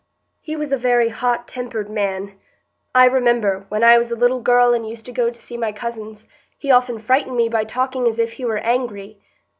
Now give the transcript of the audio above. "He was a very hot tempered man. I remember, when I was a little girl and used to go to see my cousins, he often frightened me by talking as if he were angry.